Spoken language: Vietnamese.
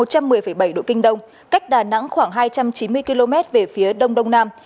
một mươi năm hai độ vĩ bắc một trăm một mươi bảy độ kinh đông cách đà nẵng khoảng hai trăm chín mươi km về phía đông đông nam